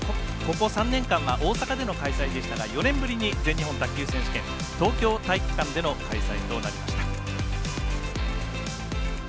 ここ３年間は大阪での開催でしたが４年ぶりに全日本卓球選手権東京体育館での開催となりました。